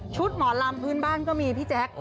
หมอลำพื้นบ้านก็มีพี่แจ๊ค